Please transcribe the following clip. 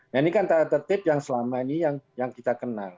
nah ini kan tata tertib yang selama ini yang kita kenal